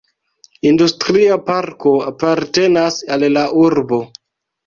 Industria parko apartenas al la urbo.